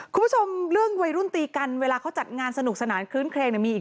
คุณผู้ชมเรื่องวัยรุ่นตีกันเวลาเขาจัดงานสนุกสนานคลื้นเครงมีอีก